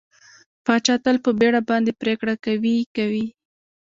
پاچا تل په بېړه باندې پرېکړه کوي کوي.